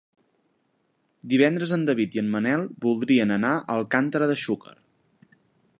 Divendres en David i en Manel voldrien anar a Alcàntera de Xúquer.